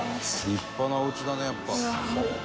「立派なおうちだねやっぱ」